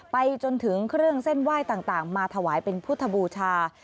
ไปจนถึงเครื่องเส้นไหว้ต่างมาถวายเป็นพุทธบูชา